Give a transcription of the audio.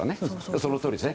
そのとおりです。